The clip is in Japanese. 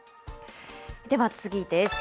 では次です。